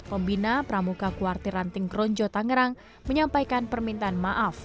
pembina pramuka kuartir ranting kronjo tanggerang menyampaikan permintaan maaf